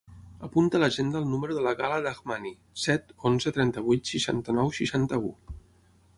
Apunta a l'agenda el número de la Gala Dahmani: set, onze, trenta-vuit, seixanta-nou, seixanta-u.